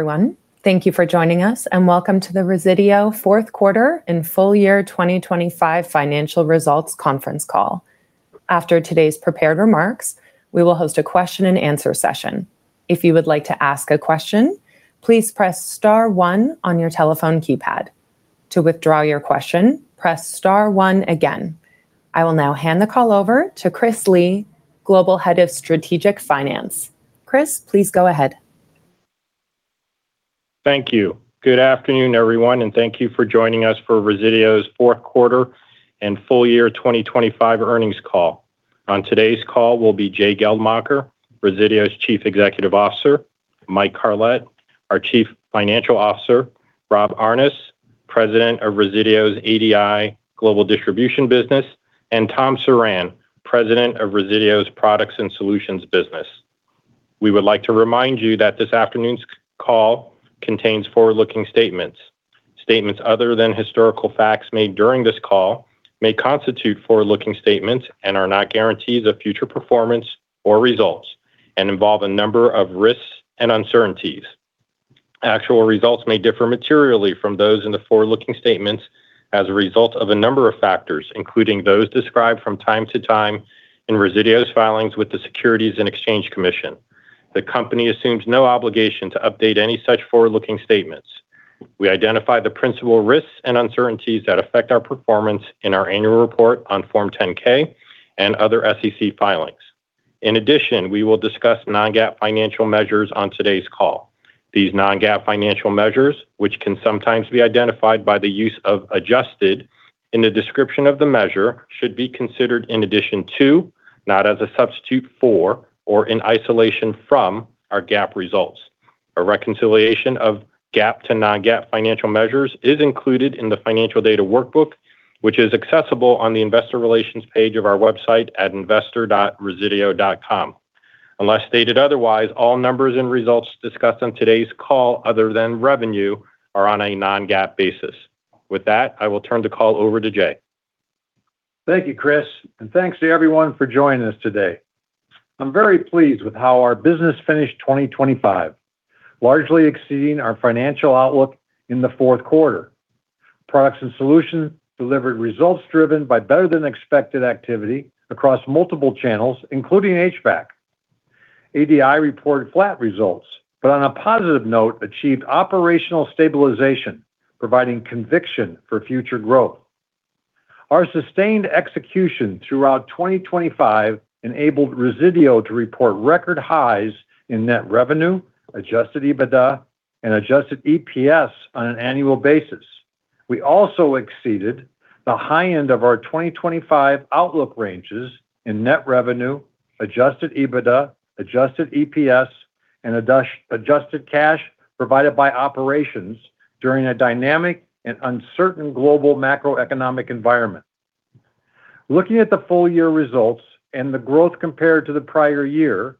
Everyone, thank you for joining us, and welcome to the Resideo fourth quarter and full year 2025 financial results conference call. After today's prepared remarks, we will host a question-and-answer session. If you would like to ask a question, please press star one on your telephone keypad. To withdraw your question, press star one again. I will now hand the call over to Chris Lee, Global Head of Strategic Finance. Chris, please go ahead. Thank you. Good afternoon, everyone, thank you for joining us for Resideo's fourth quarter and full year 2025 earnings call. On today's call will be Jay Geldmacher, Resideo's Chief Executive Officer, Mike Carlet, our Chief Financial Officer, Rob Aarnes, President of Resideo's ADI Global Distribution Business, and Tom Surran, President of Resideo's Products and Solutions Business. We would like to remind you that this afternoon's call contains forward-looking statements. Statements other than historical facts made during this call may constitute forward-looking statements and are not guarantees of future performance or results, and involve a number of risks and uncertainties. Actual results may differ materially from those in the forward-looking statements as a result of a number of factors, including those described from time-to-time in Resideo's filings with the Securities and Exchange Commission. The company assumes no obligation to update any such forward-looking statements. We identify the principal risks and uncertainties that affect our performance in our annual report on Form 10-K and other SEC filings. In addition, we will discuss non-GAAP financial measures on today's call. These non-GAAP financial measures, which can sometimes be identified by the use of adjusted in the description of the measure, should be considered in addition to, not as a substitute for or in isolation from, our GAAP results. A reconciliation of GAAP to non-GAAP financial measures is included in the financial data workbook, which is accessible on the investor relations page of our website at investor.resideo.com. Unless stated otherwise, all numbers and results discussed on today's call, other than revenue, are on a non-GAAP basis. With that, I will turn the call over to Jay. Thank you, Chris, and thanks to everyone for joining us today. I'm very pleased with how our business finished 2025, largely exceeding our financial outlook in the fourth quarter. Products and Solutions delivered results driven by better-than-expected activity across multiple channels, including HVAC. ADI reported flat results, on a positive note, achieved operational stabilization, providing conviction for future growth. Our sustained execution throughout 2025 enabled Resideo to report record highs in net revenue, Adjusted EBITDA, and Adjusted EPS on an annual basis. We also exceeded the high end of our 2025 outlook ranges in net revenue, Adjusted EBITDA, Adjusted EPS, and Adjusted Cash provided by operations during a dynamic and uncertain global macroeconomic environment. Looking at the full year results and the growth compared to the prior year,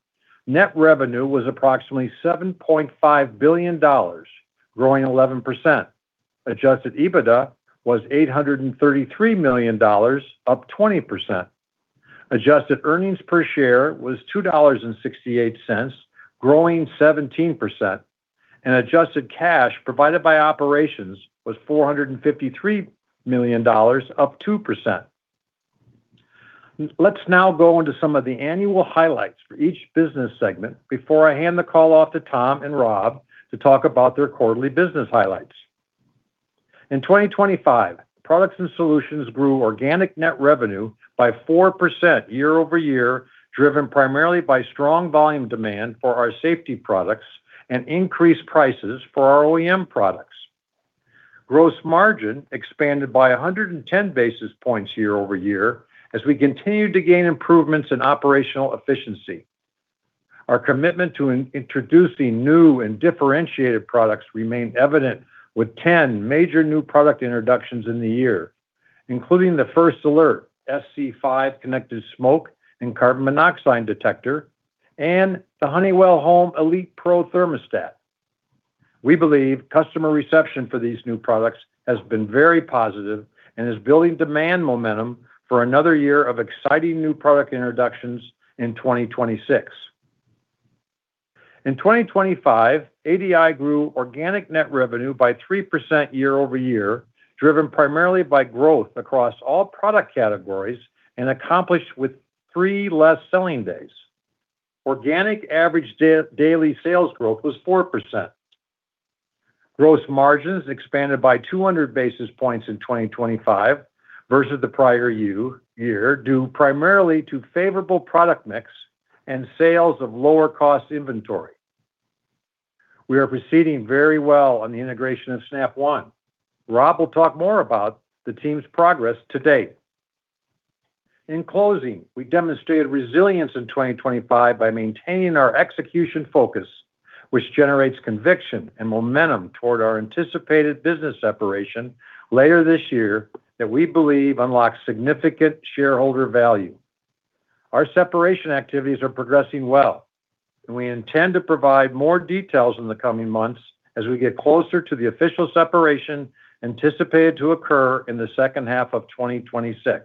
net revenue was approximately $7.5 billion, growing 11%. Adjusted EBITDA was $833 million, up 20%. Adjusted earnings per share was $2.68, growing 17%, Adjusted Cash provided by operations was $453 million, up 2%. Let's now go into some of the annual highlights for each business segment before I hand the call off to Tom and Rob to talk about their quarterly business highlights. In 2025, Products and Solutions grew organic net revenue by 4% year-over-year, driven primarily by strong volume demand for our safety products and increased prices for our OEM products. Gross margin expanded by 110 basis points year-over-year as we continued to gain improvements in operational efficiency. Our commitment to introducing new and differentiated products remained evident with 10 major new product introductions in the year, including the First Alert SC5 Connected Smoke and Carbon Monoxide Detector, and the Honeywell Home ElitePRO thermostat. We believe customer reception for these new products has been very positive and is building demand momentum for another year of exciting new product introductions in 2026. In 2025, ADI grew organic net revenue by 3% year-over-year, driven primarily by growth across all product categories and accomplished with three less selling days. Organic average daily sales growth was 4%. Gross margins expanded by 200 basis points in 2025 versus the prior year, due primarily to favorable product mix and sales of lower-cost inventory. We are proceeding very well on the integration of Snap One. Rob will talk more about the team's progress to date. In closing, we demonstrated resilience in 2025 by maintaining our execution focus, which generates conviction and momentum toward our anticipated business separation later this year that we believe unlocks significant shareholder value. Our separation activities are progressing well, and we intend to provide more details in the coming months as we get closer to the official separation, anticipated to occur in the second half of 2026.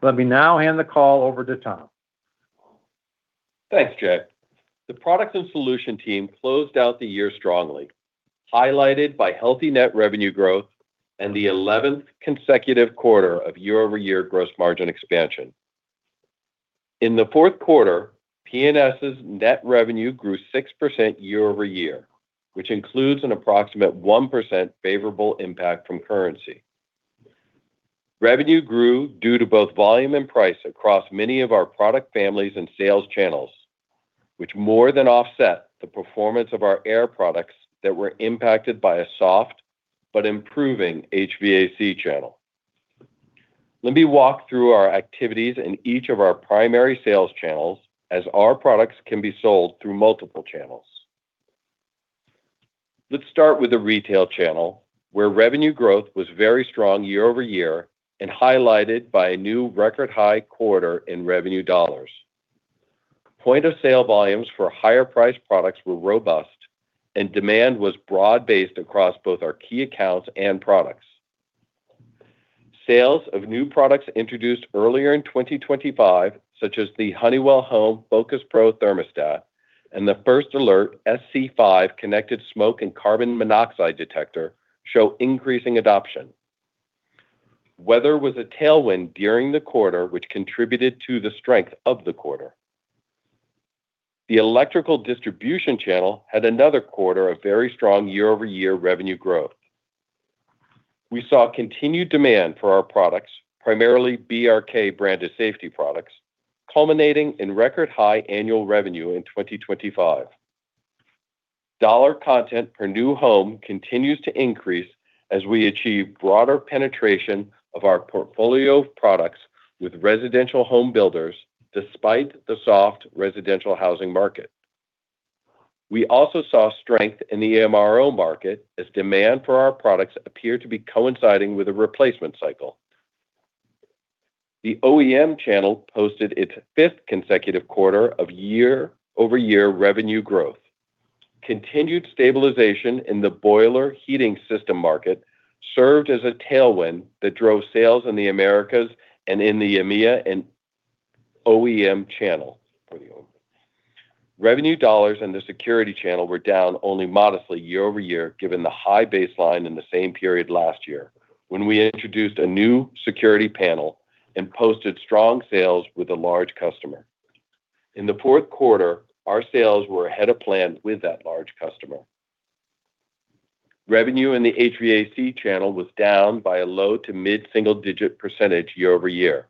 Let me now hand the call over to Tom. Thanks, Jay. The Products and Solutions team closed out the year strongly, highlighted by healthy net revenue growth and the 11th consecutive quarter of year-over-year gross margin expansion. In the fourth quarter, P&S's net revenue grew 6% year-over-year, which includes an approximate 1% favorable impact from currency. Revenue grew due to both volume and price across many of our product families and sales channels, which more than offset the performance of our air products that were impacted by a soft but improving HVAC channel. Let me walk through our activities in each of our primary sales channels as our products can be sold through multiple channels. Let's start with the retail channel, where revenue growth was very strong year-over-year and highlighted by a new record-high quarter in revenue dollars. Point of sale volumes for higher priced products were robust, and demand was broad-based across both our key accounts and products. Sales of new products introduced earlier in 2025, such as the Honeywell Home FocusPRO Thermostat and the First Alert SC5 Smart Smoke and Carbon Monoxide Detector, show increasing adoption. Weather was a tailwind during the quarter, which contributed to the strength of the quarter. The electrical distribution channel had another quarter of very strong year-over-year revenue growth. We saw continued demand for our products, primarily BRK branded safety products, culminating in record high annual revenue in 2025. Dollar content per new home continues to increase as we achieve broader penetration of our portfolio of products with residential home builders, despite the soft residential housing market. We also saw strength in the AMRO market as demand for our products appear to be coinciding with a replacement cycle. The OEM channel posted its fifth consecutive quarter of year-over-year revenue growth. Continued stabilization in the boiler heating system market served as a tailwind that drove sales in the Americas and in the EMEA and OEM channel. Revenue dollars in the security channel were down only modestly year-over-year, given the high baseline in the same period last year, when we introduced a new security panel and posted strong sales with a large customer. In the fourth quarter, our sales were ahead of plan with that large customer. Revenue in the HVAC channel was down by a low to mid-single-digit percentage year-over-year.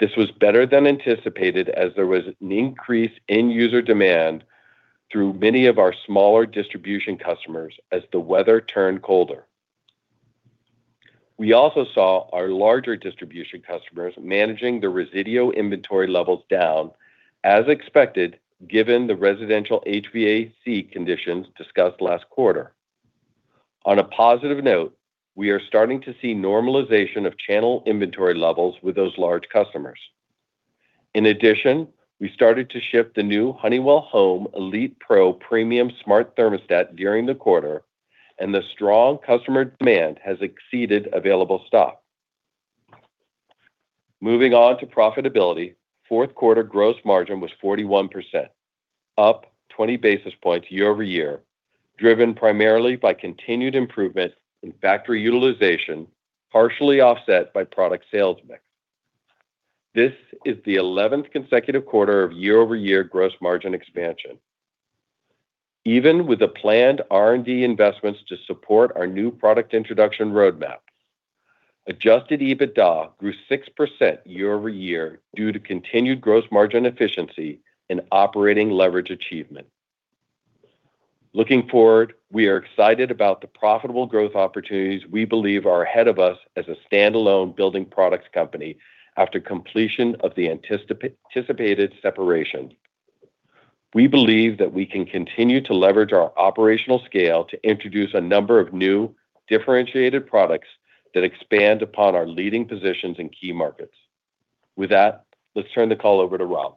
This was better than anticipated, as there was an increase in user demand through many of our smaller distribution customers as the weather turned colder. We also saw our larger distribution customers managing the Resideo inventory levels down, as expected, given the residential HVAC conditions discussed last quarter. On a positive note, we are starting to see normalization of channel inventory levels with those large customers. In addition, we started to ship the new Honeywell Home ElitePRO Premium Smart Thermostat during the quarter, and the strong customer demand has exceeded available stock. Moving on to profitability, fourth quarter gross margin was 41%, up 20 basis points year-over-year, driven primarily by continued improvements in factory utilization, partially offset by product sales mix. This is the 11th consecutive quarter of year-over-year gross margin expansion. Even with the planned R&D investments to support our new product introduction roadmap, Adjusted EBITDA grew 6% year-over-year due to continued gross margin efficiency and operating leverage achievement. Looking forward, we are excited about the profitable growth opportunities we believe are ahead of us as a standalone building products company after completion of the anticipated separation. We believe that we can continue to leverage our operational scale to introduce a number of new, differentiated products that expand upon our leading positions in key markets. With that, let's turn the call over to Rob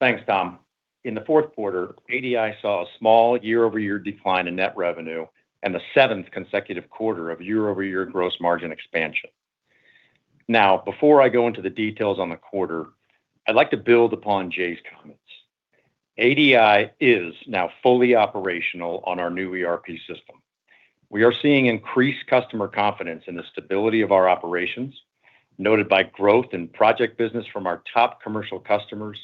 Thanks, Tom. In the fourth quarter, ADI saw a small year-over-year decline in net revenue and the seventh consecutive quarter of year-over-year gross margin expansion. Now, before I go into the details on the quarter, I'd like to build upon Jay's comments. ADI is now fully operational on our new ERP system. We are seeing increased customer confidence in the stability of our operations, noted by growth in project business from our top commercial customers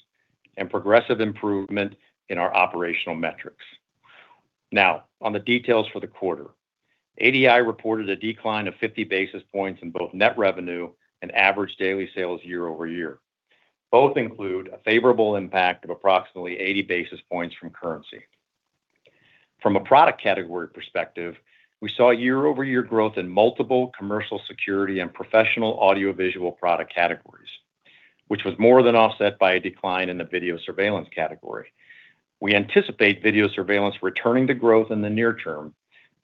and progressive improvement in our operational metrics. Now, on the details for the quarter. ADI reported a decline of 50 basis points in both net revenue and average daily sales year-over-year. Both include a favorable impact of approximately 80 basis points from currency. From a product category perspective, we saw year-over-year growth in multiple commercial, security, and professional audiovisual product categories, which was more than offset by a decline in the video surveillance category. We anticipate video surveillance returning to growth in the near term,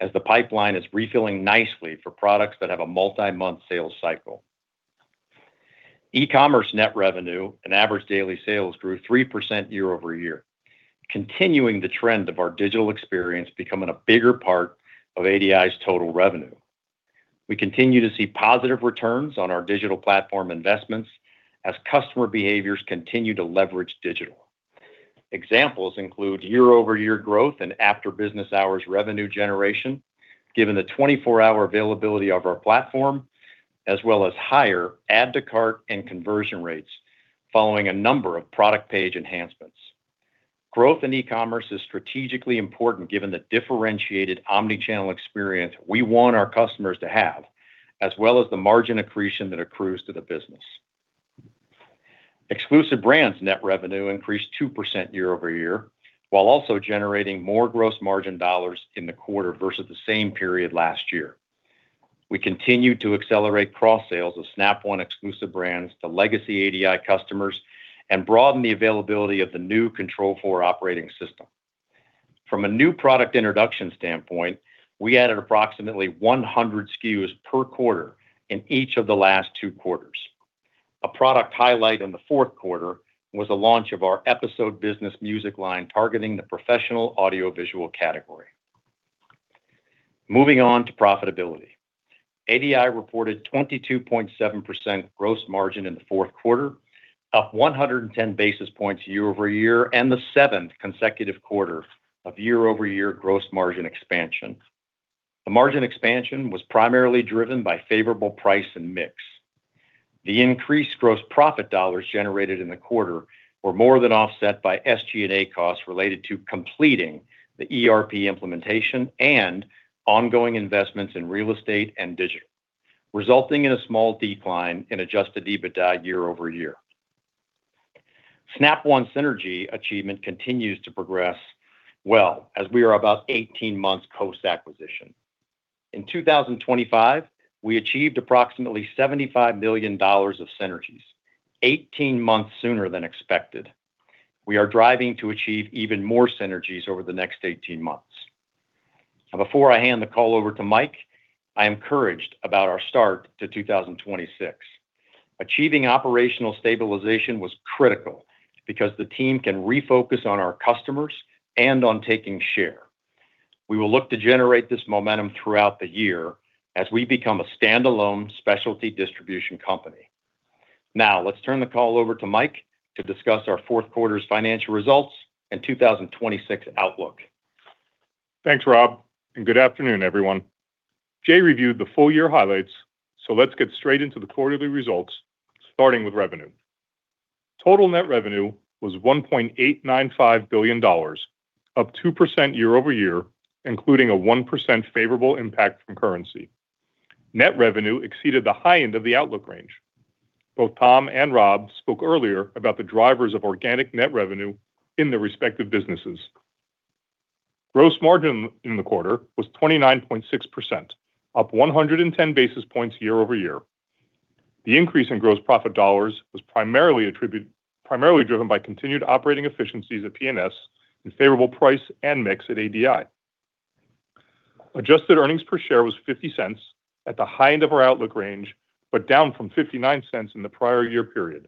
as the pipeline is refilling nicely for products that have a multi-month sales cycle. e-commerce net revenue and average daily sales grew 3% year-over-year, continuing the trend of our digital experience becoming a bigger part of ADI's total revenue. We continue to see positive returns on our digital platform investments as customer behaviors continue to leverage digital. Examples include year-over-year growth and after-business-hours revenue generation, given the 24-hour availability of our platform, as well as higher add to cart and conversion rates following a number of product page enhancements. Growth in e-commerce is strategically important, given the differentiated omnichannel experience we want our customers to have, as well as the margin accretion that accrues to the business. Exclusive brands net revenue increased 2% year-over-year, while also generating more gross margin dollars in the quarter versus the same period last year. We continued to accelerate cross sales of Snap One exclusive brands to legacy ADI customers and broaden the availability of the new Control4 operating system. From a new product introduction standpoint, we added approximately 100 SKUs per quarter in each of the last two quarters. A product highlight in the fourth quarter was a launch of our Episode Business Music line, targeting the professional audiovisual category. Moving on to profitability. ADI reported 22.7% gross margin in the fourth quarter, up 110 basis points year-over-year, and the seventh consecutive quarter of year-over-year gross margin expansion. The margin expansion was primarily driven by favorable price and mix. The increased gross profit dollars generated in the quarter were more than offset by SG&A costs related to completing the ERP implementation and ongoing investments in real estate and digital, resulting in a small decline in Adjusted EBITDA year-over-year. Snap One synergy achievement continues to progress well as we are about 18 months post-acquisition. In 2025, we achieved approximately $75 million of synergies, 18 months sooner than expected. We are driving to achieve even more synergies over the next 18 months. Before I hand the call over to Mike, I am encouraged about our start to 2026. Achieving operational stabilization was critical because the team can refocus on our customers and on taking share. We will look to generate this momentum throughout the year as we become a standalone specialty distribution company. Let's turn the call over to Mike to discuss our fourth quarter's financial results and 2026 outlook. Thanks, Rob, good afternoon, everyone. Jay reviewed the full year highlights, let's get straight into the quarterly results, starting with revenue. Total net revenue was $1.895 billion, up 2% year-over-year, including a 1% favorable impact from currency. Net revenue exceeded the high end of the outlook range. Both Tom and Rob spoke earlier about the drivers of organic net revenue in their respective businesses. Gross margin in the quarter was 29.6%, up 110 basis points year-over-year. The increase in gross profit dollars was primarily driven by continued operating efficiencies at P&S and favorable price and mix at ADI. adjusted earnings per share was $0.50 at the high end of our outlook range, down from $0.59 in the prior year period.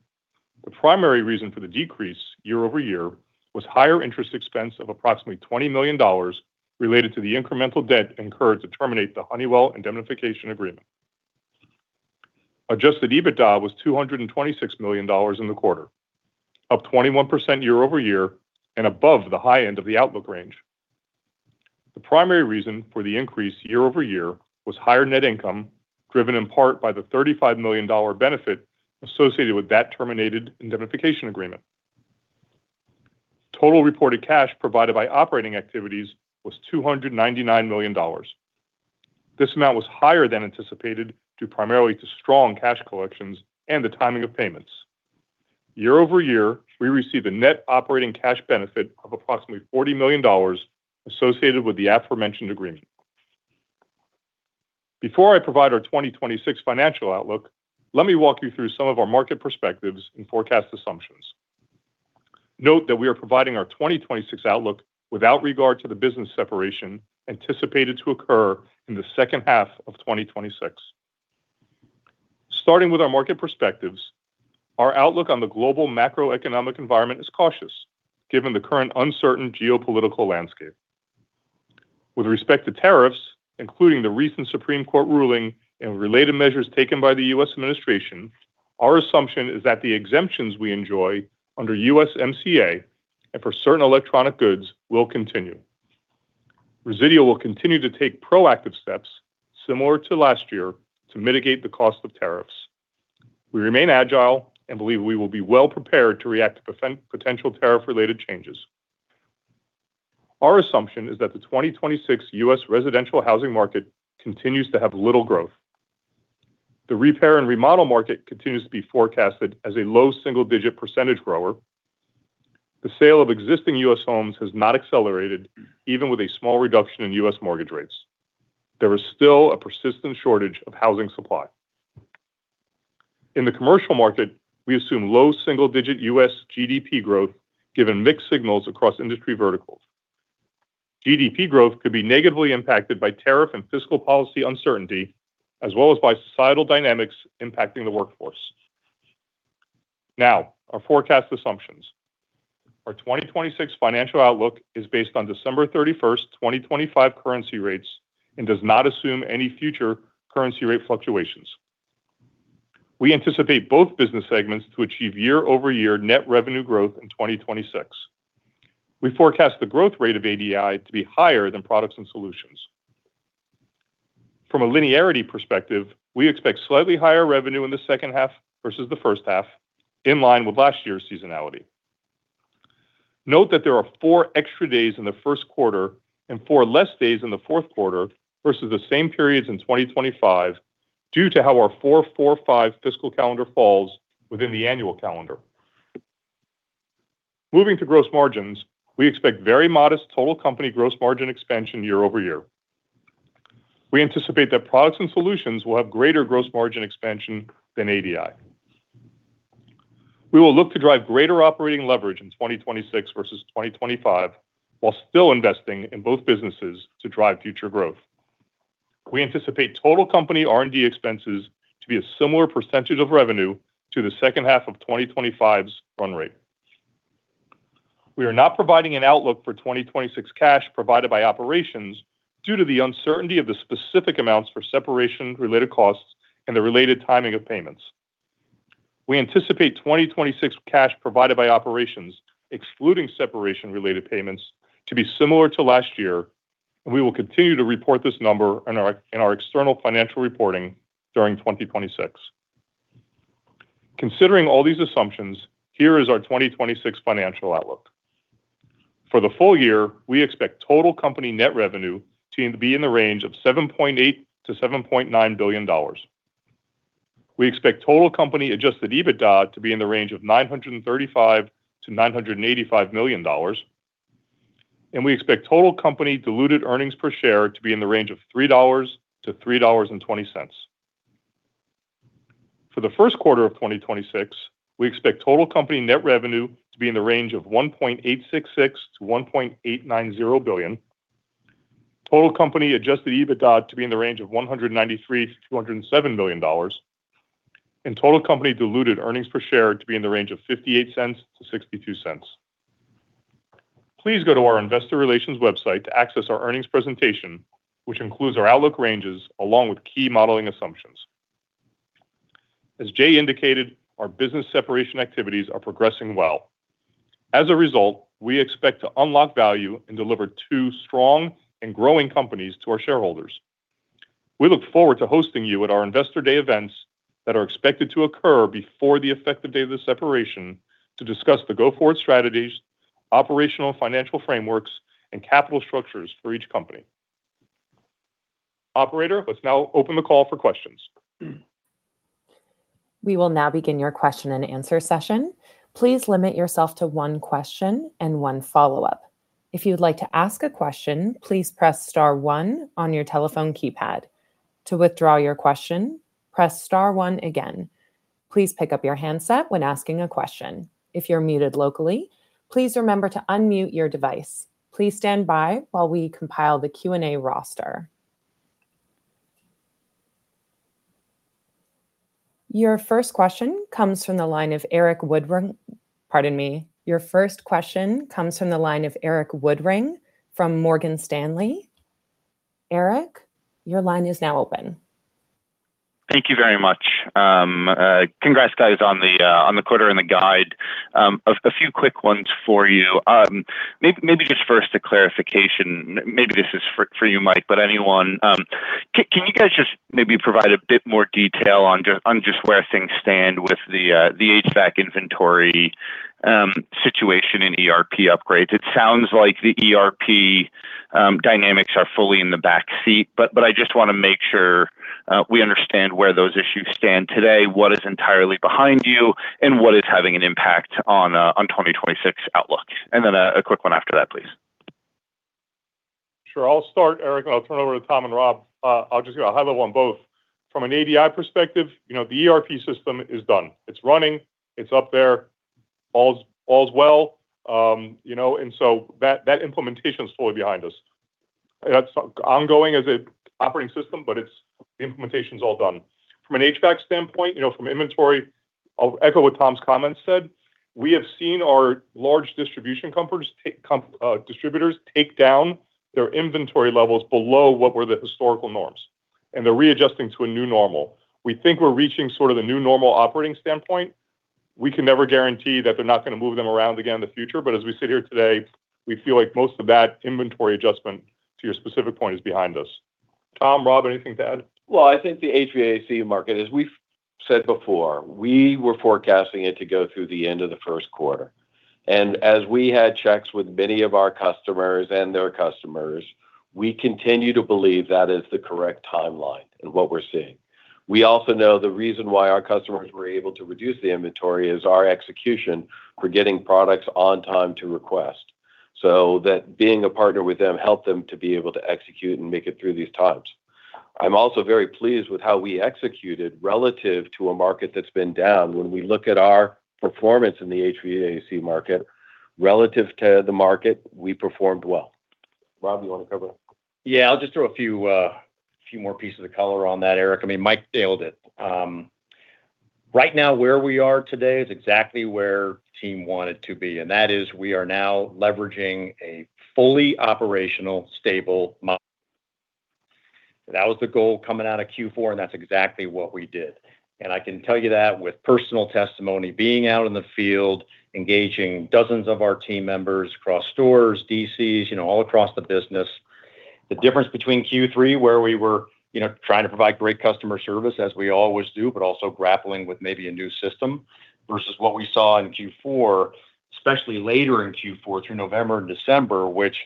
The primary reason for the decrease year-over-year was higher interest expense of approximately $20 million related to the incremental debt incurred to terminate the Honeywell indemnification agreement. Adjusted EBITDA was $226 million in the quarter, up 21% year-over-year and above the high end of the outlook range. The primary reason for the increase year-over-year was higher net income, driven in part by the $35 million benefit associated with that terminated indemnification agreement. Total reported cash provided by operating activities was $299 million. This amount was higher than anticipated, due primarily to strong cash collections and the timing of payments. Year-over-year, we received a net operating cash benefit of approximately $40 million associated with the aforementioned agreement. Before I provide our 2026 financial outlook, let me walk you through some of our market perspectives and forecast assumptions. Note that we are providing our 2026 outlook without regard to the business separation anticipated to occur in the second half of 2026. Starting with our market perspectives, our outlook on the global macroeconomic environment is cautious, given the current uncertain geopolitical landscape. With respect to tariffs, including the recent Supreme Court ruling and related measures taken by the U.S. administration, our assumption is that the exemptions we enjoy under USMCA and for certain electronic goods will continue. Resideo will continue to take proactive steps, similar to last year, to mitigate the cost of tariffs. We remain agile and believe we will be well prepared to react to potential tariff-related changes. Our assumption is that the 2026 U.S. residential housing market continues to have little growth. The repair and remodel market continues to be forecasted as a low single-digit percentage grower. The sale of existing U.S. homes has not accelerated, even with a small reduction in U.S. mortgage rates. There is still a persistent shortage of housing supply. In the commercial market, we assume low single-digit U.S. GDP growth, given mixed signals across industry verticals. GDP growth could be negatively impacted by tariff and fiscal policy uncertainty, as well as by societal dynamics impacting the workforce. Our forecast assumptions. Our 2026 financial outlook is based on December 31st, 2025 currency rates and does not assume any future currency rate fluctuations. We anticipate both business segments to achieve year-over-year net revenue growth in 2026- We forecast the growth rate of ADI to be higher than Products and Solutions. From a linearity perspective, we expect slightly higher revenue in the second half versus the first half, in line with last year's seasonality. Note that there are four extra days in the first quarter and four less days in the fourth quarter versus the same periods in 2025 due to how our 4-4-5 fiscal calendar falls within the annual calendar. Moving to gross margins, we expect very modest total company gross margin expansion year-over-year. We anticipate that Products and Solutions will have greater gross margin expansion than ADI. We will look to drive greater operating leverage in 2026 versus 2025, while still investing in both businesses to drive future growth. We anticipate total company R&D expenses to be a similar percentage of revenue to the second half of 2025's run-rate. We are not providing an outlook for 2026 cash provided by operations due to the uncertainty of the specific amounts for separation-related costs and the related timing of payments. We anticipate 2026 cash provided by operations, excluding separation-related payments, to be similar to last year, and we will continue to report this number in our external financial reporting during 2026. Considering all these assumptions, here is our 2026 financial outlook. For the full year, we expect total company net revenue to be in the range of $7.8 billion-$7.9 billion. We expect total company Adjusted EBITDA to be in the range of $935 million-$985 million, and we expect total company diluted earnings per share to be in the range of $3.00-$3.20. For the first quarter of 2026, we expect total company net revenue to be in the range of $1.866 billion-$1.890 billion. Total company Adjusted EBITDA to be in the range of $193 million-$207 million, and total company diluted earnings per share to be in the range of $0.58-$0.62. Please go to our investor relations website to access our earnings presentation, which includes our outlook ranges along with key modeling assumptions. As Jay indicated, our business separation activities are progressing well. As a result, we expect to unlock value and deliver two strong and growing companies to our shareholders. We look forward to hosting you at our Investor Day events that are expected to occur before the effective date of the separation to discuss the go-forward strategies, operational financial frameworks, and capital structures for each company. Operator, let's now open the call for questions. We will now begin your question-and-answer session. Please limit yourself to one question and one follow-up. If you'd like to ask a question, please press star one on your telephone keypad. To withdraw your question, press star one again. Please pick up your handset when asking a question. If you're muted locally, please remember to unmute your device. Please stand by while we compile the Q&A roster. Your first question comes from the line of Erik Woodring from Morgan Stanley. Erik, your line is now open. Thank you very much. Congrats, guys, on the quarter and the guide. A few quick ones for you. Maybe just first a clarification. Maybe this is for you, Mike, but anyone. Can you guys just maybe provide a bit more detail on just where things stand with the HVAC inventory situation in ERP upgrades? It sounds like the ERP dynamics are fully in the back seat, but I just want to make sure we understand where those issues stand today, what is entirely behind you, and what is having an impact on 2026 outlook. A quick one after that, please. Sure, I'll start, Erik, and I'll turn it over to Tom and Rob. I'll just give a high level on both. From an ADI perspective, you know, the ERP system is done. It's running, it's up there, all's well. you know, that implementation is fully behind us. That's ongoing as a operating system, but its implementation is all done. From an HVAC standpoint, you know, from inventory, I'll echo what Tom's comments said. We have seen our large distribution companies take distributors take down their inventory levels below what were the historical norms, and they're readjusting to a new normal. We think we're reaching sort of the new normal operating standpoint. We can never guarantee that they're not going to move them around again in the future, but as we sit here today, we feel like most of that inventory adjustment, to your specific point, is behind us. Tom, Rob, anything to add? I think the HVAC market, as we've said before, we were forecasting it to go through the end of the first quarter. As we had checks with many of our customers and their customers, we continue to believe that is the correct timeline in what we're seeing. We also know the reason why our customers were able to reduce the inventory is our execution for getting products on time to request. That being a partner with them helped them to be able to execute and make it through these times. I'm also very pleased with how we executed relative to a market that's been down. When we look at our performance in the HVAC market relative to the market, we performed well. Rob, you want to cover? Yeah, I'll just throw a few more pieces of color on that, Erik. I mean, Mike nailed it. Right now, where we are today is exactly where team wanted to be, and that is we are now leveraging a fully operational, stable model. That was the goal coming out of Q4, and that's exactly what we did. I can tell you that with personal testimony, being out in the field, engaging dozens of our team members across stores, DCs, you know, all across the business. The difference between Q3, where we were, you know, trying to provide great customer service, as we always do, but also grappling with maybe a new system, versus what we saw in Q4, especially later in Q4, through November and December, which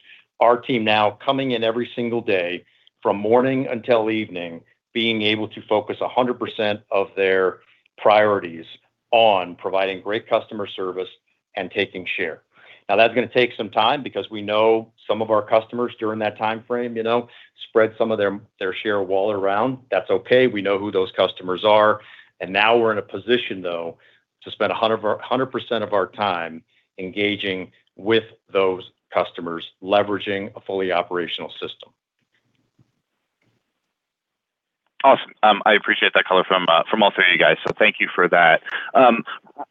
our team now coming in every single day from morning until evening, being able to focus 100% of their priorities on providing great customer service and taking share. Now, that's gonna take some time because we know some of our customers during that time frame, you know, spread some of their share wallet around. That's okay. We know who those customers are, and now we're in a position, though, to spend 100% of our time engaging with those customers, leveraging a fully operational system. Awesome. I appreciate that color from all three of you guys, so thank you for that.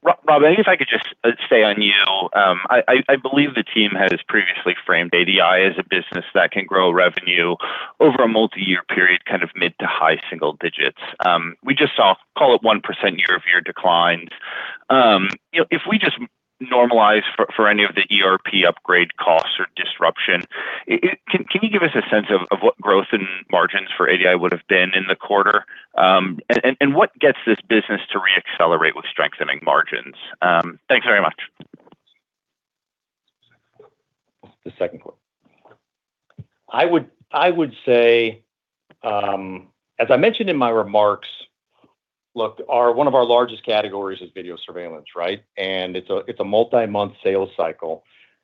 Rob, I think if I could just stay on you. I believe the team has previously framed ADI as a business that can grow revenue over a multi-year period, kind of mid to high single digits. We just saw, call it 1% year-over-year declines. You know, if we just normalize for any of the ERP upgrade costs or disruption, can you give us a sense of what growth in margins for ADI would have been in the quarter? What gets this business to reaccelerate with strengthening margins? Thanks very much. The second point. I would say, as I mentioned in my remarks, look, one of our largest categories is video surveillance, right? It's a, it's a multi-month sales cycle,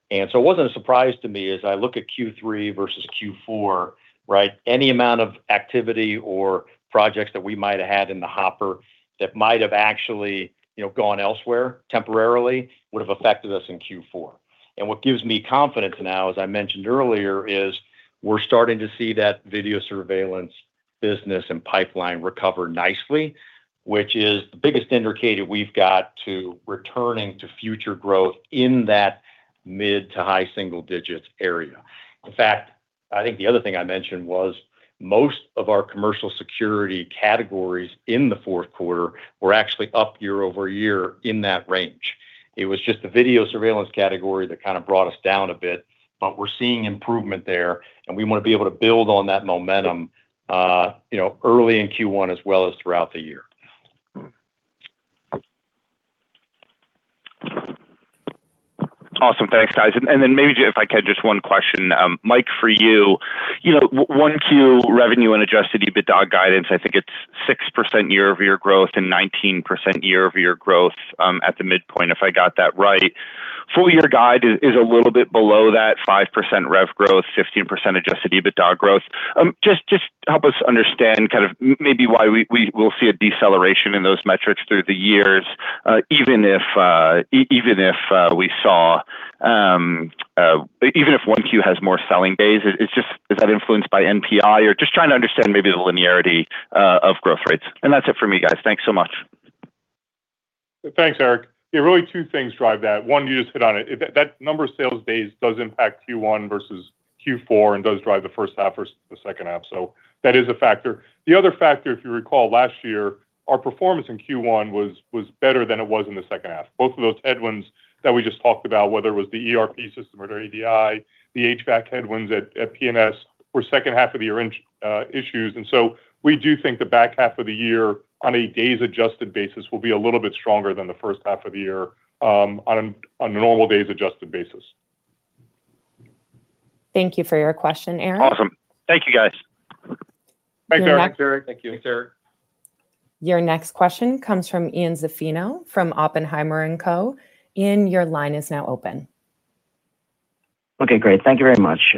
and so it wasn't a surprise to me as I look at Q3 versus Q4, right? Any amount of activity or projects that we might have had in the hopper that might have actually, you know, gone elsewhere temporarily, would have affected us in Q4. What gives me confidence now, as I mentioned earlier, is we're starting to see that video surveillance business and pipeline recover nicely, which is the biggest indicator we've got to returning to future growth in that mid to high single digits area. In fact, I think the other thing I mentioned was most of our commercial security categories in the fourth quarter were actually up year-over-year in that range. It was just the video surveillance category that kind of brought us down a bit, but we're seeing improvement there, and we want to be able to build on that momentum, you know, early in Q1 as well as throughout the year. Awesome. Thanks, guys. Then maybe if I could, just one question. Mike, for you know, 1Q revenue and Adjusted EBITDA guidance, I think it's 6% year-over-year growth and 19% year-over-year growth at the midpoint, if I got that right. Full year guide is a little bit below that 5% rev growth, 15% Adjusted EBITDA growth. Just help us understand kind of maybe why we will see a deceleration in those metrics through the years, Even if 1Q has more selling days, is just, is that influenced by NPI, or just trying to understand maybe the linearity of growth rates. That's it for me, guys. Thanks so much. Thanks, Erik. Yeah, really two things drive that. One, you just hit on it. That number of sales days does impact Q1 versus Q4 and does drive the first half versus the second half. That is a factor. The other factor, if you recall, last year, our performance in Q1 was better than it was in the second half. Both of those headwinds that we just talked about, whether it was the ERP system or the ADI, the HVAC headwinds at P&S, were second half of the year in issues. We do think the back half of the year, on a days adjusted basis, will be a little bit stronger than the first half of the year, on a normal days adjusted basis. Thank you for your question, Erik. Awesome. Thank you, guys. Thanks, Erik. Thank you, Erik. Thanks, Erik. Your next question comes from Ian Zaffino, from Oppenheimer & Co. Ian, your line is now open. Okay, great. Thank you very much.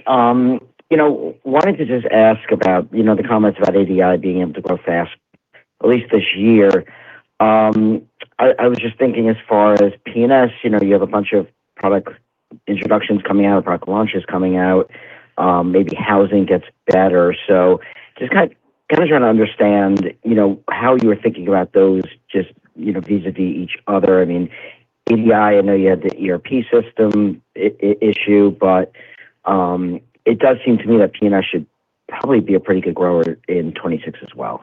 You know, wanted to just ask about, you know, the comments about ADI being able to grow fast, at least this year. I was just thinking as far as P&S, you know, you have a bunch of product introductions coming out, or product launches coming out, maybe housing gets better. Just kind of trying to understand, you know, how you are thinking about those, just, you know, vis-a-vis each other. I mean, ADI, I know you had the ERP system issue, but, it does seem to me that P&S should probably be a pretty good grower in 2026 as well.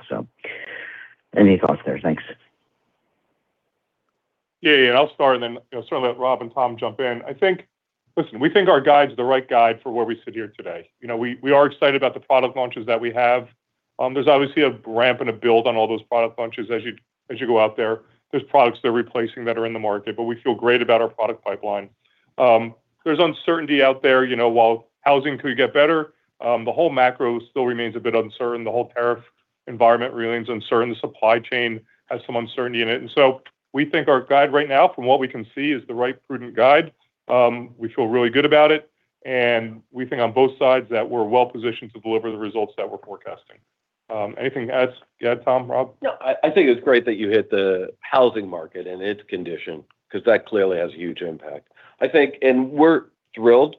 Any thoughts there? Thanks. Yeah, I'll start, and then, you know, sort of let Rob and Tom jump in. I think. Listen, we think our guide's the right guide for where we sit here today. You know, we are excited about the product launches that we have. There's obviously a ramp and a build on all those product launches as you go out there. There's products they're replacing that are in the market, but we feel great about our product pipeline. There's uncertainty out there. You know, while housing could get better, the whole macro still remains a bit uncertain. The whole tariff environment remains uncertain. The supply chain has some uncertainty in it. We think our guide right now, from what we can see, is the right prudent guide. We feel really good about it. We think on both sides that we're well positioned to deliver the results that we're forecasting. Anything else you add, Tom, Rob? Yeah, I think it's great that you hit the housing market and its condition, 'cause that clearly has a huge impact. I think, and we're thrilled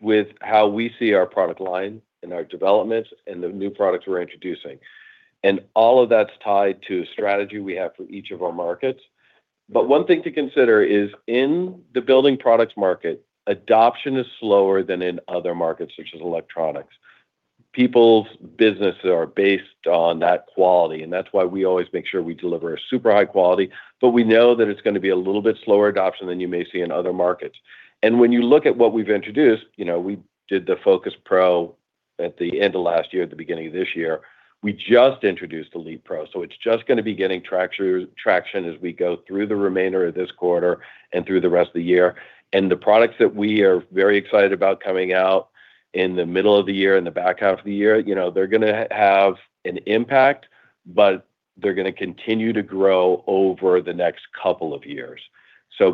with how we see our product line and our developments and the new products we're introducing. All of that's tied to strategy we have for each of our markets. One thing to consider is in the building products market, adoption is slower than in other markets, such as electronics. People's businesses are based on that quality, and that's why we always make sure we deliver a super high quality, but we know that it's gonna be a little bit slower adoption than you may see in other markets. When you look at what we've introduced, you know, we did the FocusPRO at the end of last year, at the beginning of this year. We just introduced the Leap Pro, so it's just gonna be getting traction as we go through the remainder of this quarter and through the rest of the year. The products that we are very excited about coming out in the middle of the year and the back half of the year, you know, they're gonna have an impact, but they're gonna continue to grow over the next couple of years.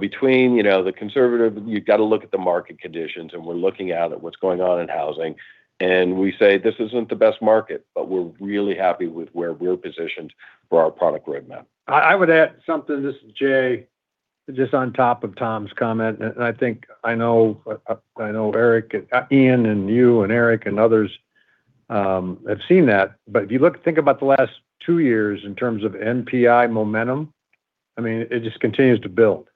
Between, you know, the conservative, you've got to look at the market conditions, and we're looking at what's going on in housing, and we say, "This isn't the best market, but we're really happy with where we're positioned for our product roadmap. I would add something, this is Jay, just on top of Tom's comment, and I think I know Erik, Ian, and you, and Erik and others have seen that. But if you think about the last two years in terms of NPI momentum, I mean, it just continues to build.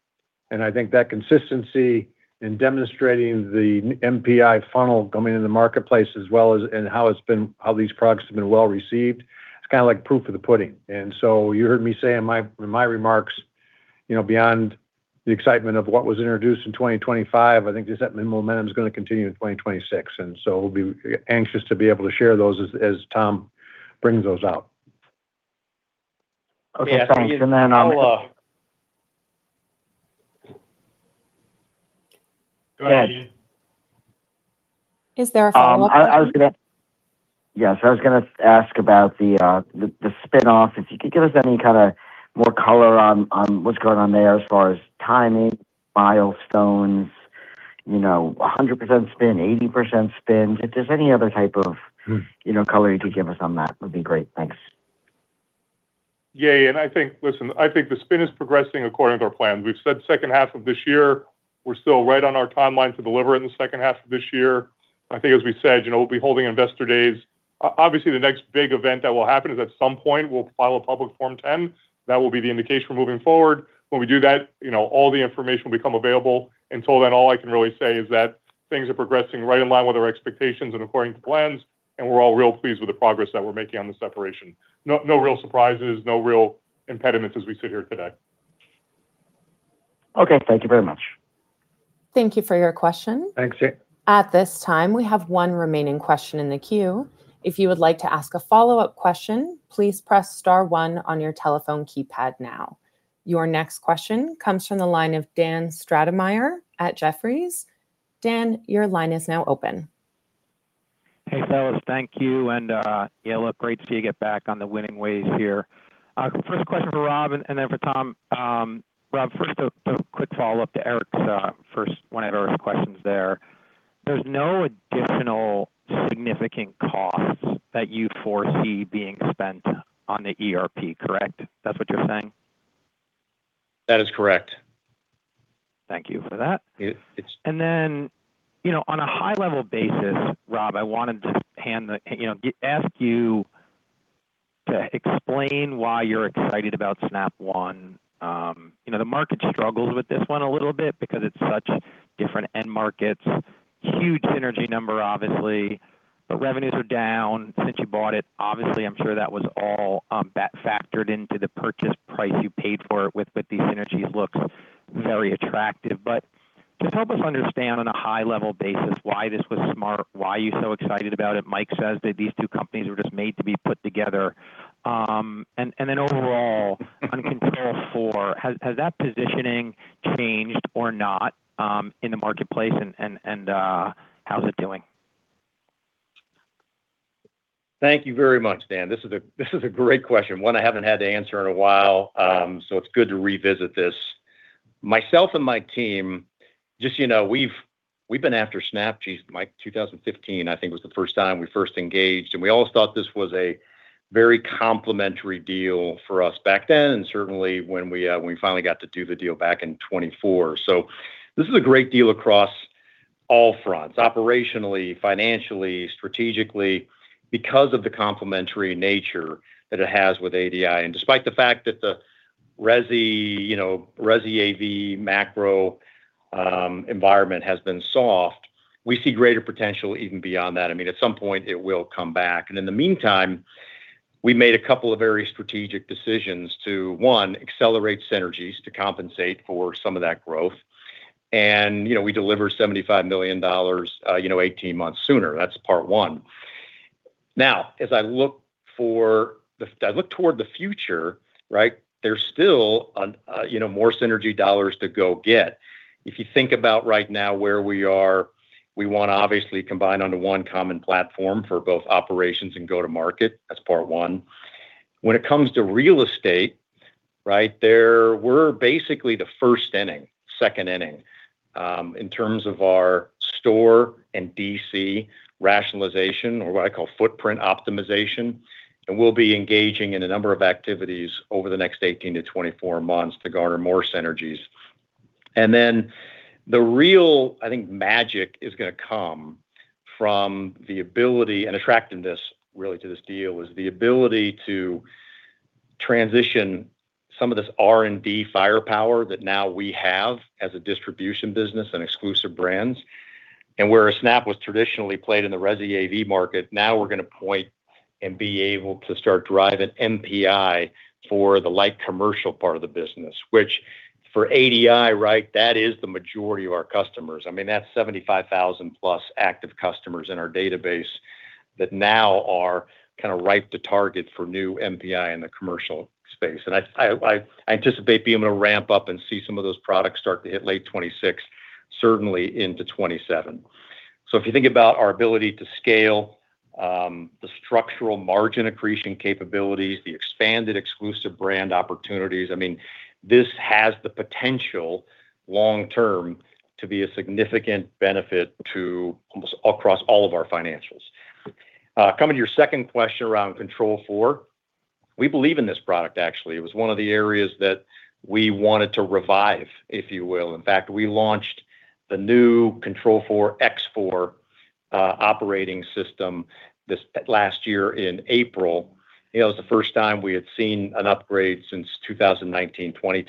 And I think that consistency in demonstrating the NPI funnel coming in the marketplace as well as, and how these products have been well received, it's kinda like proof of the pudding. And so you heard me say in my remarks, you know, beyond the excitement of what was introduced in 2025, I think just that the momentum is gonna continue in 2026, and so we'll be anxious to be able to share those as Tom brings those out. Okay, thanks. Go ahead. Is there a follow-up? Yes, I was gonna ask about the spin-off. If you could give us any kinda more color on what's going on there as far as timing, milestones, you know, 100% spin, 80% spin. If there's any other type of? Hmm you know, color you could give us on that, would be great. Thanks. Listen, I think the spin is progressing according to our plans. We've said second half of this year, we're still right on our timeline to deliver in the second half of this year. I think as we said, you know, we'll be holding investor days. Obviously, the next big event that will happen is, at some point, we'll file a public Form 10. That will be the indication for moving forward. When we do that, you know, all the information will become available. Until then, all I can really say is that things are progressing right in line with our expectations and according to plans, and we're all real pleased with the progress that we're making on the separation. No real surprises, no real impediments as we sit here today. Okay, `thank you very much. Thank you for your question. Thanks, Ian. At this time, we have one remaining question in the queue. If you would like to ask a follow-up question, please press star one on your telephone keypad now. Your next question comes from the line of Dan Stratemeier at Jefferies. Dan, your line is now open. Hey, fellas, thank you. Yeah, look great to see you get back on the winning ways here. First question for Rob and then for Tom. Rob, first, a quick follow-up to Erik's one of Erik's questions there. There's no additional significant costs that you foresee being spent on the ERP, correct? That's what you're saying? That is correct. Thank you for that. Yeah. You know, on a high-level basis, Rob, I want to just ask you to explain why you're excited about Snap One. You know, the market struggles with this one a little bit because it's such different end markets. Huge synergy number, obviously, but revenues are down since you bought it. Obviously, I'm sure that was all back-factored into the purchase price you paid for it with these synergies look very attractive. Just help us understand, on a high-level basis, why this was smart, why are you so excited about it? Mike says that these two companies were just made to be put together. Overall, on Control4, has that positioning changed or not in the marketplace, and how's it doing? Thank you very much, Dan. This is a great question, one I haven't had to answer in a while. It's good to revisit this. Myself and my team, just so you know, we've been after Snap, geez, Mike, 2015, I think, was the first time we first engaged. We all thought this was a very complementary deal for us back then, certainly when we finally got to do the deal back in 2024. This is a great deal across all fronts: operationally, financially, strategically, because of the complementary nature that it has with ADI. Despite the fact that the resi, you know, resi AV macro environment has been soft, we see greater potential even beyond that. I mean, at some point it will come back. In the meantime, we made a couple of very strategic decisions to, one, accelerate synergies to compensate for some of that growth. You know, we deliver $75 million, you know, 18 months sooner. That's part one. As I look toward the future, right? There's still, you know, more synergy dollars to go get. If you think about right now where we are, we wanna obviously combine onto one common platform for both operations and go-to-market. That's part one. When it comes to real estate. Right there, we're basically the first inning, second inning, in terms of our store and DC rationalization or what I call footprint optimization. We'll be engaging in a number of activities over the next 18-24 months to garner more synergies. The real, I think, magic is gonna come from the ability, and attractiveness really to this deal, is the ability to transition some of this R&D firepower that now we have as a distribution business and exclusive brands. Whereas Snap was traditionally played in the resi AV market, now we're gonna point and be able to start driving NPI for the light commercial part of the business, which for ADI, right, that is the majority of our customers. I mean, that's 75,000 plus active customers in our database that now are kind of ripe to target for new NPI in the commercial space. I anticipate being able to ramp up and see some of those products start to hit late 2026, certainly into 2027. If you think about our ability to scale, the structural margin accretion capabilities, the expanded exclusive brand opportunities, I mean, this has the potential long term to be a significant benefit to almost across all of our financials. Coming to your second question around Control4. We believe in this product, actually. It was one of the areas that we wanted to revive, if you will. In fact, we launched the new Control4 X4 operating system last year in April. It was the first time we had seen an upgrade since 2019, 2020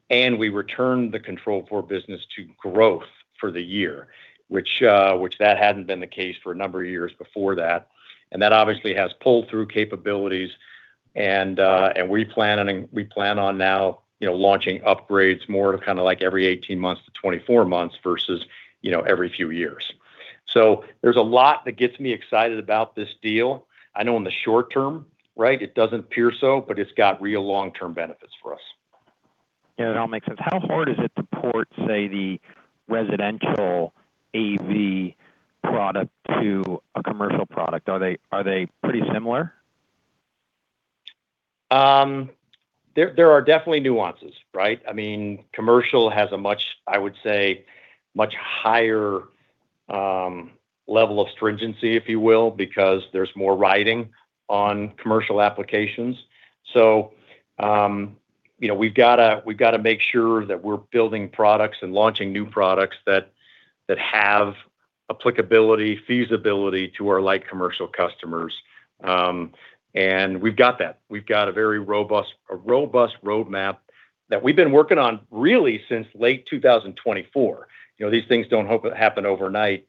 timeframe. We returned the Control4 business to growth for the year, which that hadn't been the case for a number of years before that, and that obviously has pull-through capabilities. We plan on now, you know, launching upgrades more to kind of like every 18-24 months versus, you know, every few years. There's a lot that gets me excited about this deal. I know in the short term, right, it doesn't appear so, but it's got real long-term benefits for us. Yeah, it all makes sense. How hard is it to port, say, the residential AV product to a commercial product? Are they pretty similar? There, there are definitely nuances, right? Commercial has a much, I would say, much higher level of stringency, if you will, because there's more riding on commercial applications. We've got to, we've got to make sure that we're building products and launching new products that have applicability, feasibility to our light commercial customers. And we've got that. We've got a very robust roadmap that we've been working on really since late 2024. These things don't happen overnight.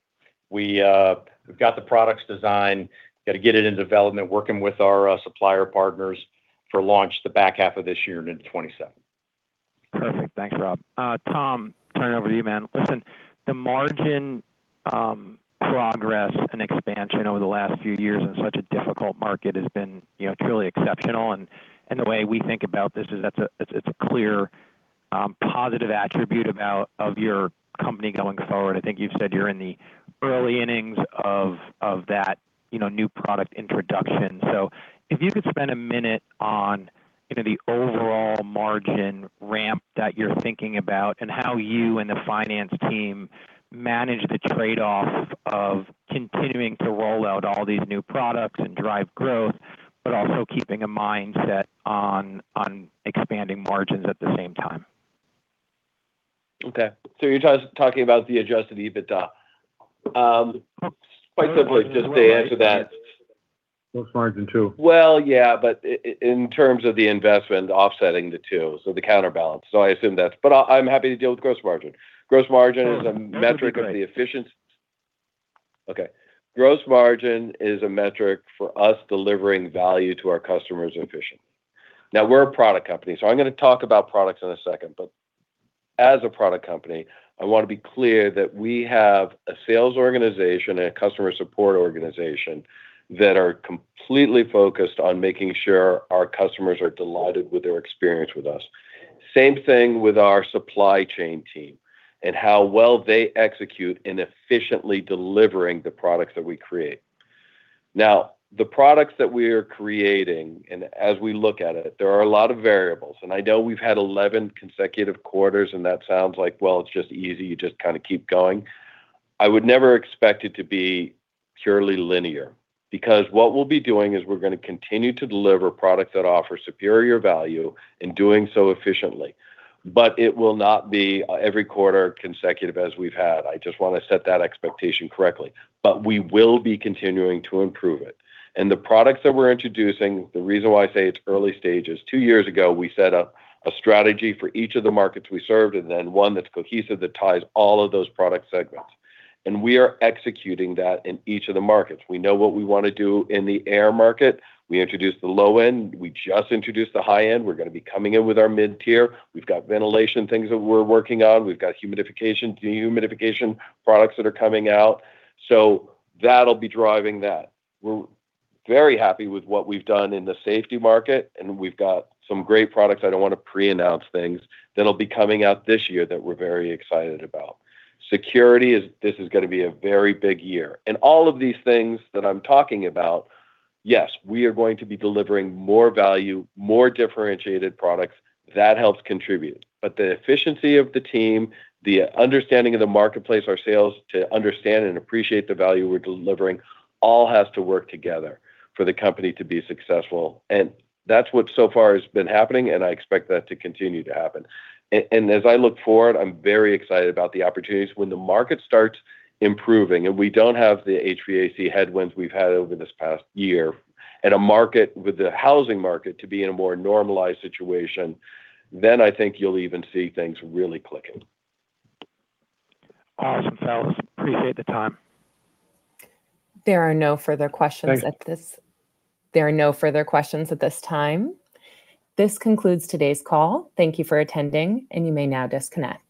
We've got the products designed, got to get it in development, working with our supplier partners for launch the back half of this year and into 2027. Perfect. Thanks, Rob. Tom, turning it over to you, man. Listen, the margin, progress and expansion over the last few years in such a difficult market has been, you know, truly exceptional. The way we think about this is it's a clear positive attribute of your company going forward. I think you've said you're in the early innings of that, you know, new product introduction. If you could spend a minute on, you know, the overall margin ramp that you're thinking about and how you and the finance team manage the trade-off of continuing to roll out all these new products and drive growth, but also keeping a mindset on expanding margins at the same time. You're just talking about the Adjusted EBITDA? Quite simply, just to answer that- Gross margin too. Yeah, but in terms of the investment offsetting the two, so the counterbalance. I assume that's. I'm happy to deal with gross margin. Gross margin is a metric. Sure, that'd be great.... of the efficiency. Gross margin is a metric for us delivering value to our customers efficiently. We're a product company, so I'm gonna talk about products in a second. As a product company, I want to be clear that we have a sales organization and a customer support organization that are completely focused on making sure our customers are delighted with their experience with us. Same thing with our supply chain team and how well they execute in efficiently delivering the products that we create. The products that we are creating, and as we look at it, there are a lot of variables, and I know we've had 11 consecutive quarters, and that sounds like, well, it's just easy, you just kind of keep going. I would never expect it to be purely linear, because what we'll be doing is we're gonna continue to deliver products that offer superior value, and doing so efficiently. It will not be every quarter consecutive as we've had. I just want to set that expectation correctly. We will be continuing to improve it. The products that we're introducing, the reason why I say it's early stages, two years ago, we set up a strategy for each of the markets we served, and then one that's cohesive, that ties all of those product segments. We are executing that in each of the markets. We know what we want to do in the air market. We introduced the low end, we just introduced the high end. We're gonna be coming in with our mid-tier. We've got ventilation, things that we're working on. We've got humidification, dehumidification products that are coming out. That'll be driving that. We're very happy with what we've done in the safety market, and we've got some great products, I don't want to pre-announce things, that'll be coming out this year that we're very excited about. Security this is going to be a very big year. All of these things that I'm talking about, yes, we are going to be delivering more value, more differentiated products that helps contribute. The efficiency of the team, the understanding of the marketplace, our sales, to understand and appreciate the value we're delivering, all has to work together for the company to be successful, and that's what so far has been happening, and I expect that to continue to happen. As I look forward, I'm very excited about the opportunities. When the market starts improving, and we don't have the HVAC headwinds we've had over this past year, and a market with the housing market to be in a more normalized situation, then I think you'll even see things really clicking. Awesome, fellas. Appreciate the time. There are no further questions at this. Thank you. There are no further questions at this time. This concludes today's call. Thank you for attending, and you may now disconnect.